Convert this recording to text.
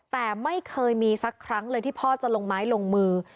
แต่ไม่เคยมีสักครั้งเลยที่พ่อจะลงไม้ลงมือ